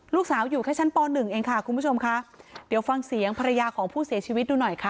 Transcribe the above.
ลูกสาวอยู่แค่ชั้นป๑เองค่ะคุณผู้ชมค่ะเดี๋ยวฟังเสียงภรรยาของผู้เสียชีวิตดูหน่อยค่ะ